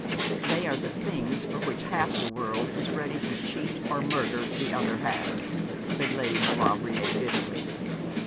'They are the things for which half the world is ready to cheat or murder the other half,' said Lady Maulevrier, bitterly.